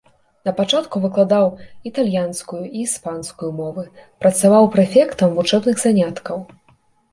Напачатку выкладаў італьянскую і іспанскую мовы, працаваў прэфектам вучэбных заняткаў.